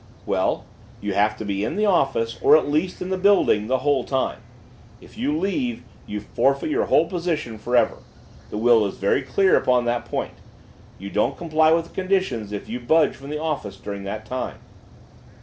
"'Well, you have to be in the office, or at least in the building, the whole time. If you leave, you forfeit your whole position forever. The will is very clear upon that point. You don't comply with the conditions if you budge from the office during that time.